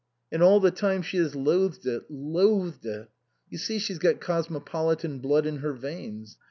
" And all the time she has loathed it loathed it. You see she's got cosmopolitan blood in her veins.